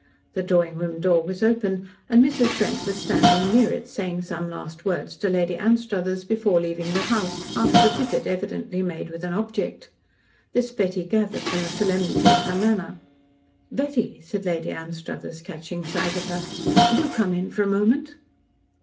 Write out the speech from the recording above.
The drawing room door was open, and Mrs. Brent was standing near it saying some last words to Lady Anstruthers before leaving the house, after a visit evidently made with an object. This Betty gathered from the solemnity of her manner. "Betty," said Lady Anstruthers, catching sight of her, "do come in for a moment."